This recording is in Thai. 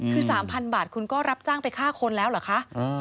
คือ๓๐๐บาทคุณก็รับจ้างไปฆ่าคนแล้วเหรอคะ